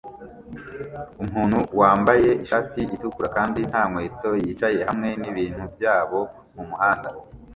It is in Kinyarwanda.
Umuntu wambaye ishati itukura kandi nta nkweto yicaye hamwe nibintu byabo mumuhanda